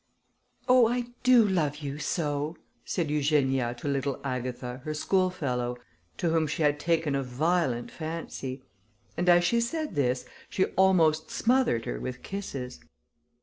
"Oh! I do love you so!" said Eugenia to little Agatha, her schoolfellow, to whom she had taken a violent fancy; and as she said this, she almost smothered her with kisses.